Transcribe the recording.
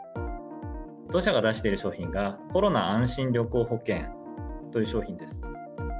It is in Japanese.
当社が出している商品が、コロナあんしん旅行保険という商品です。